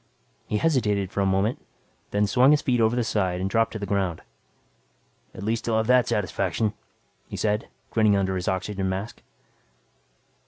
He hesitated for a moment, then swung his feet over the side and dropped to the ground. "At least I'll have that satisfaction," he said, grinning under his oxygen mask.